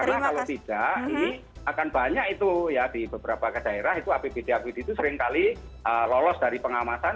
karena kalau tidak ini akan banyak itu ya di beberapa daerah itu apbd apbd itu seringkali lolos dari pengalaman